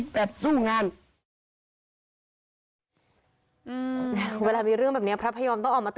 ตนเป็นที่พึ่งแห่งตนจริงนะ